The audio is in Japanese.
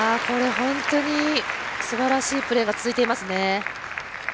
本当にすばらしいプレーが続いていますね。